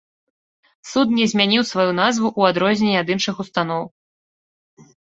Суд не змяніў сваю назву ў адрозненні ад іншых устаноў.